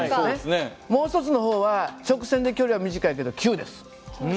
もう一つの方は直線で距離は短いけど急です。